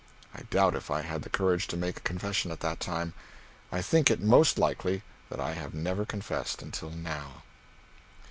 I doubt if I had the courage to make confession at that time. I think it most likely that I have never confessed until now.